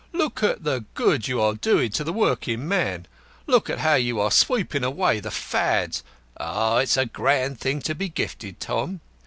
"Look at the good you are doing to the working man. Look how you are sweeping away the Fads. Ah, it's a grand thing to be gifted, Tom.